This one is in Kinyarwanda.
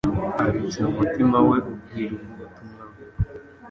abitse mu mutima we ubwiru bw'ubutumwa bwe.